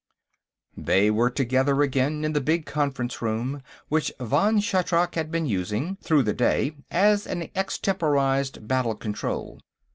They were together again in the big conference room, which Vann Shatrak had been using, through the day, as an extemporised Battle Control.